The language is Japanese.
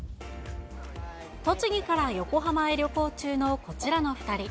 栃木から横浜へ旅行中のこちらの２人。